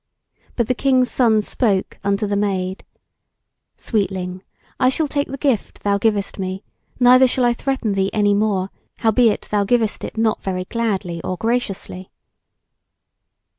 But the King's Son spoke unto the Maid: "Sweetling, I shall take the gift thou givest me, neither shall I threaten thee any more, howbeit thou givest it not very gladly or graciously."